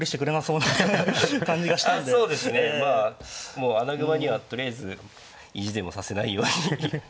もう穴熊にはとりあえず意地でもさせないように。